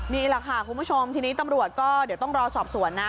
นี่แหละค่ะคุณผู้ชมทีนี้ตำรวจก็เดี๋ยวต้องรอสอบสวนนะ